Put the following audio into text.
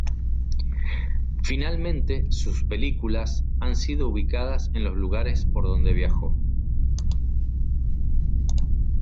Finalmente, sus películas han sido ubicadas en los lugares por donde viajó.